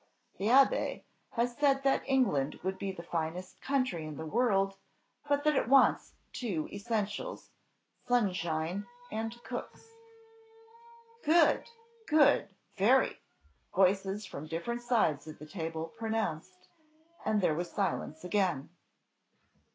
The abbé has said that England would be the finest country in the world, but that it wants two essentials, sunshine and cooks. "Good! Good! Very!" voices from different sides of the table pronounced; and there was silence again.